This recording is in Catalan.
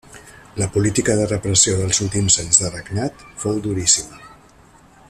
La política de repressió dels últims anys de regnat fou duríssima.